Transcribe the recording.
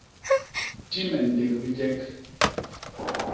Ti me ndék bijek.